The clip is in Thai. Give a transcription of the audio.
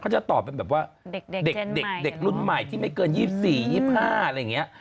เขาจะต่อแบบว่าเด็กรุ่นใหม่ที่ไม่เกิน๒๔๒๕อะไรอย่างเงี้ย